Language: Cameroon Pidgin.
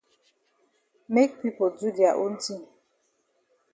Make pipo do dia own tin.